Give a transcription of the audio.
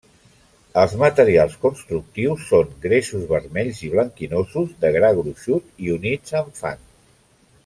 Els materials constructius són gresos vermells i blanquinosos de gra gruixut i units amb fang.